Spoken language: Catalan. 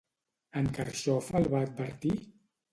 En Carxofa el va advertir?